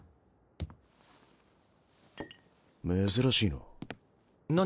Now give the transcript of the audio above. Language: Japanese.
珍しいな。